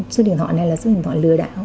số điện thoại này là số điện thoại lừa đảo